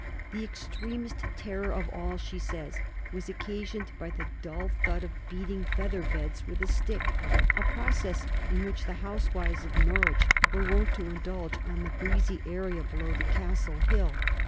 "The extremest terror of all," she says, was occasioned by the dull thud of beating feather beds with a stick, a process in which the housewives of Norwich were wont to indulge on the breezy area below the Castle Hill.